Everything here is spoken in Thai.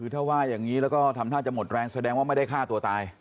ถ้าว่าอย่างนี้แล้วก็ทำท่าจะหมดแรงแสดงว่าไม่ได้ฆ่าตัวตาย